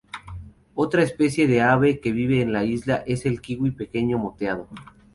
Otra especie de ave que vive en la isla es el kiwi pequeño moteado.